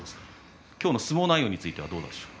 今日の相撲内容についてはどうでしたか？